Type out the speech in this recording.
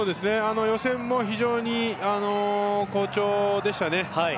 予選も非常に好調でしたね。